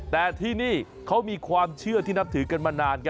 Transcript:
แต่ที่นี่เขามีความเชื่อที่นับถือกันมานาน